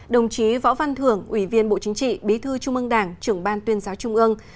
đồng chí võ văn thưởng ủy viên bộ chính trị bí thư trung ương đảng trưởng ban tuyên giáo trung ương